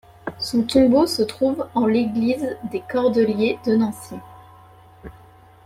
Son tombeau se trouve en l'église des Cordeliers de Nancy.